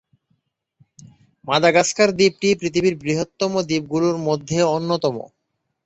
Madagascar দ্বীপটি পৃথিবীর বৃহত্তম দ্বীপগুলোর মধ্যে অন্যতম।